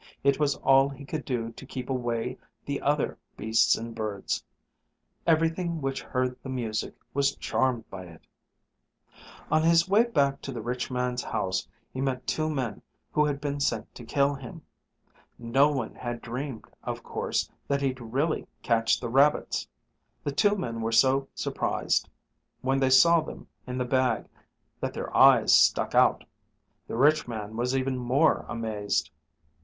It was all he could do to keep away the other beasts and birds. Everything which heard the music was charmed by it. [Illustration: The two rabbits came running up to him] On his way back to the rich man's house he met two men who had been sent to kill him. No one had dreamed, of course, that he'd really catch the rabbits. The two men were so surprised when they saw them in the bag that their eyes stuck out. The rich man was even more amazed.